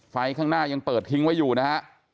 ไฟข้างหน้ายังเปิดทิ้งไว้อยู่นะฮะ